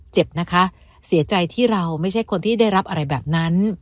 เจ็บนะคะเสียใจที่เราไม่ใช่คนที่ได้รับอะไรแบบนั้น